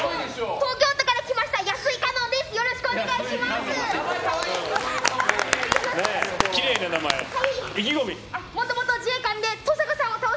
東京都から来ましたやす子です。